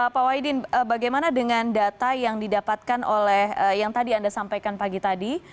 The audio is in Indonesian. pak wahidin bagaimana dengan data yang didapatkan oleh yang tadi anda sampaikan pagi tadi